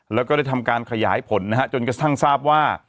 และก็ได้ทำการขยายผลจนทางทราบว่า